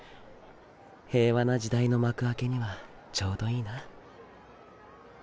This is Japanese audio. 平和な時代の幕開けにはちょうどいいな。